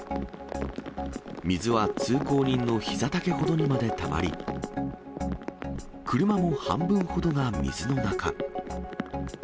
水は通行人のひざ丈ほどにまでたまり、車も半分ほどが水の中。